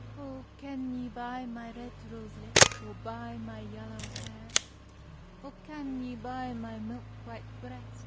"Oh, ken ye by my red rose lip? Or by my yallow hair; Or ken ye by my milk white breast?